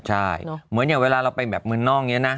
ใช่เหมือนอย่างเวลาเราไปแบบเมืองนอกอย่างนี้นะ